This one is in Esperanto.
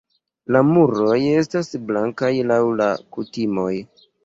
La muroj estas blankaj laŭ la kutimoj.